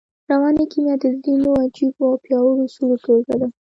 رواني کيميا د ځينو عجييو او پياوړو اصولو ټولګه ده.